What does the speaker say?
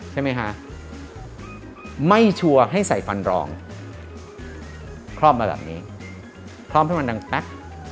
ใช่ไหมคะไม่ชัวร์ให้ใส่ฟันรองคล่อมมาแบบนี้คล่อมให้มันดังแป๊ก